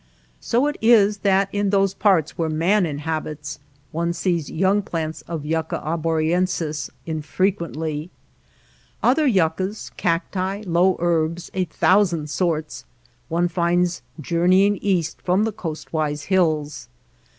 So it is that in those parts where man inhabits one sees young plants of II THE LAND OF LITTLE RAIN Yticca arborensis infrequently. Other yuc cas, cacti, low herbs, a thousand sorts, one finds journeying east from the coastwise hills.